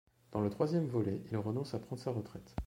Dans le troisième volet, il renonce à prendre sa retraite.